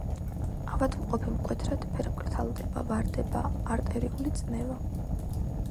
ავადმყოფი მკვეთრად ფერმკრთალდება, ვარდება არტერიული წნევა.